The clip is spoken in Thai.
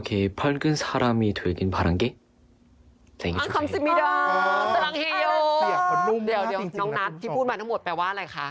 เดี๋ยวน้องนัทที่พูดมาทั้งหมดแปลว่าอะไรคะ